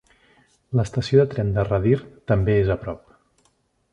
L'estació de tren de Radyr també és a prop.